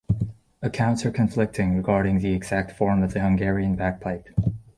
Accounts are conflicting regarding the exact form of the Hungarian bagpipe.